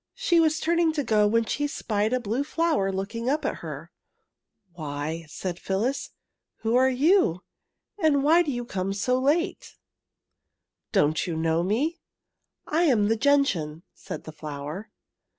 She was turning to go when she spied a blue flower looking up at her. '' Why," said Phyllis, " who are you, and why do you come so late? " AT THE END OF SUMMER 233 '' Don't you know me? I am the gentian/' said the flower.